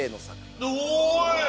おい！